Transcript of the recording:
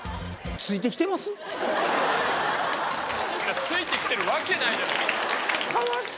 ついて来てるわけない。